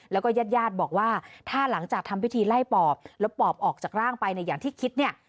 แล้วก็ญาติญาติบอกว่าถ้าหลังจากทำพิธีไล่ปอบแล้วปอบออกจากร่างไปเนี่ยอย่างที่คิดเนี่ย